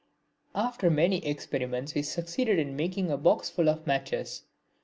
After many experiments we succeeded in making a boxful of matches.